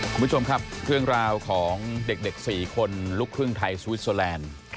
คุณผู้ชมครับเรื่องราวของเด็ก๔คนลูกครึ่งไทยสวิสเตอร์แลนด์